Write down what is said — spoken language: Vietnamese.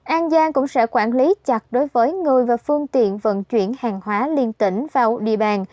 an giang cũng sẽ quản lý chặt đối với người và phương tiện vận chuyển hàng hóa liên tỉnh vào địa bàn